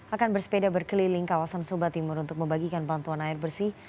akan bersepeda berkeliling kawasan sumba timur untuk membagikan bantuan air bersih